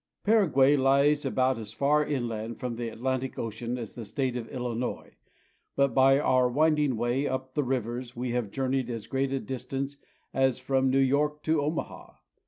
PARAGUAY lies about as far inland from the Atlantic Ocean as the State of Illinois, but by our winding way up the rivers we have journeyed as great a distance as from New York to Omaha.